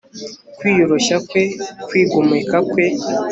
Kwiyoroshya kwe kwigomeka kwe